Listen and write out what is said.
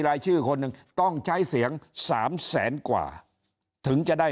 รายชื่อคนหนึ่งต้องใช้เสียงสามแสนกว่าถึงจะได้